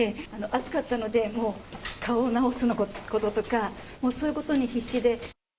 暑かったので、もう顔を直すこととか、もうそういうことに必死で。